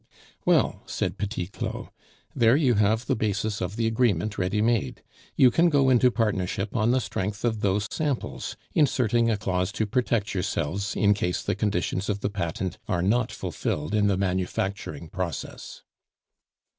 "Well," said Petit Claud, "there you have the basis of the agreement ready made. You can go into partnership on the strength of those samples, inserting a clause to protect yourselves in case the conditions of the patent are not fulfilled in the manufacturing process."